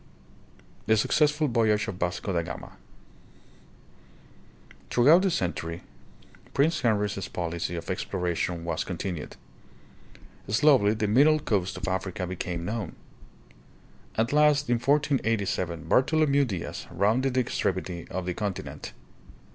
The Succ ssful Voyage of Vasco da Gama. Through out the century Prince Henry's policy of exploration was continued. Slowly the middle coast of Africa became known. At last in 1487, Bartholomew Diaz rounded the extremity of the continent.